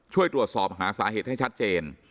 ช่วยตรวจสอบหาสาเหตุให้ชัดเจน